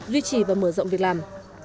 duy trì và mở rộng việc làm